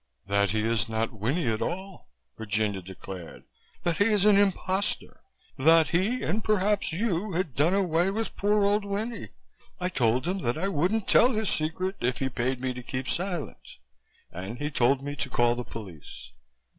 "That he is not Winnie at all," Virginia declared. "That he is an imposter, that he and perhaps you had done away with poor old Winnie. I told him that I wouldn't tell his secret if he paid me to keep silent. And he told me to call the police."